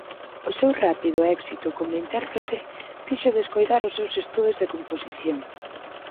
O seu rápido éxito como intérprete fíxoo descoidar os seus estudos de composición.